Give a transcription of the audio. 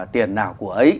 tiền nào của ấy